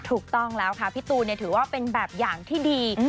ถูกต้องแล้วค่ะพี่ตูนถือว่าเป็นแบบอย่างที่ดี